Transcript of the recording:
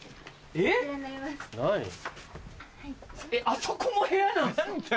あそこも部屋なんすか？